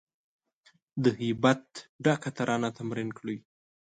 د هیبت ډکه ترانه تمرین کړی